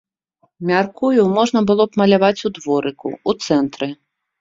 Мяркую, можна было б маляваць у дворыку, у цэнтры.